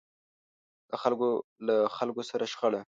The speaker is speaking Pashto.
د خلکو له خلکو سره شخړه.